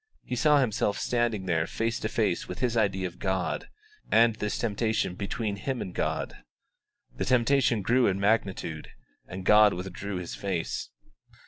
He saw himself standing there face to face with his idea of God, and this temptation between him and God. The temptation grew in magnitude, and God withdrew His face.